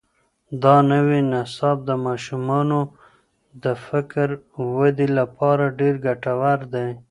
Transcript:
دا نوی نصاب د ماشومانو د فکري ودې لپاره ډېر ګټور دی.